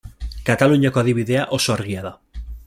Kataluniako adibidea oso argia da.